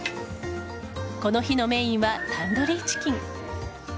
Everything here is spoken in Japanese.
この日のメインはタンドリーチキン。